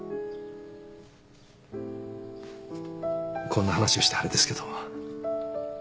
こんな話をしてあれですけど。